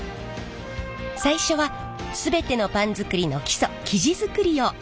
最初は全てのパン作りの基礎生地作りを見学します。